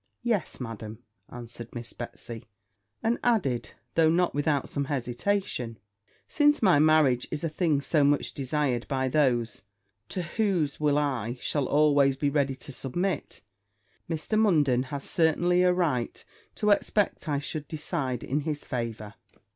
'Yes, Madam,' answered Miss Betsy; and added, though not without some hesitation, 'Since my marriage is a thing so much desired by those to whose will I shall always be ready to submit, Mr. Munden has certainly a right to expect I should decide in his favour.'